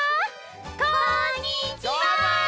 こんにちは！